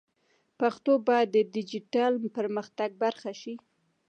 پښتو باید د ډیجیټل پرمختګ برخه شي.